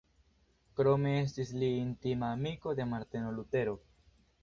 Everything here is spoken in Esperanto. Krome estis li intima amiko de Marteno Lutero.